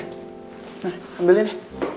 nah ambil ini